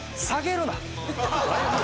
下げるな！